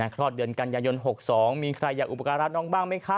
คลอดเดือนกันยายน๖๒มีใครอยากอุปการรัฐน้องบ้างไหมคะ